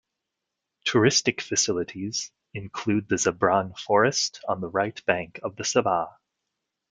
Touristic facilities include the Zabran forest on the right bank of the Sava.